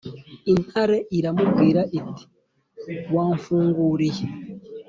Intare iramubwira iti: "Wamfunguriye."